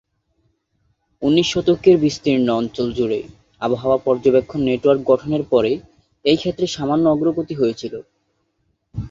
উনিশ শতকে বিস্তীর্ণ অঞ্চল জুড়ে আবহাওয়া পর্যবেক্ষণ নেটওয়ার্ক গঠনের পরে এই ক্ষেত্রে সামান্য অগ্রগতি হয়েছিলো।